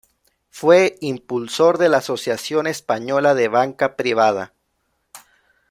Fue impulsor de la Asociación Española de Banca Privada.